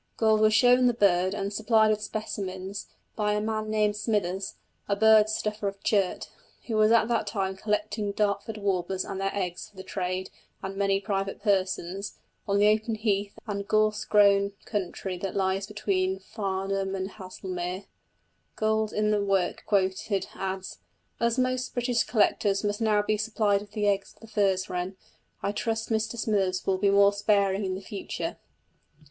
Gould was shown the bird, and supplied with specimens, by a man named Smithers, a bird stuffer of Churt, who was at that time collecting Dartford warblers and their eggs for the trade and many private persons, on the open heath and gorse grown country that lies between Farnham and Haslemere. Gould in the work quoted, adds: "As most British collectors must now be supplied with the eggs of the furze wren, I trust Mr Smithers will be more sparing in the future."